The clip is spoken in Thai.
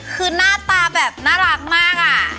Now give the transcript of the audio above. คือหน้าตาแบบน่ารักมากอะ